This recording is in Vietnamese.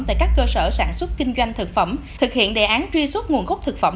tại các cơ sở sản xuất kinh doanh thực phẩm thực hiện đề án truy xuất nguồn gốc thực phẩm